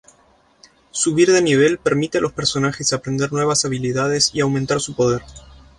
Subir de nivel permite a los personajes aprender nuevas habilidades y aumentar su poder.